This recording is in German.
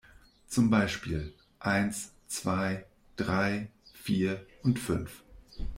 Zum Beispiel: Eins, zwei, drei, vier und fünf.